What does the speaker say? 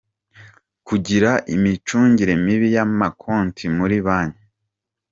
Kugira imicungire mibi y’amakonti muri banki;.